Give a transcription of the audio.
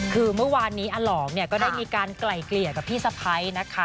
คือเมื่อวานนี้อาหลองเนี่ยก็ได้มีการไกล่เกลี่ยกับพี่สะพ้ายนะคะ